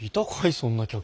そんな客。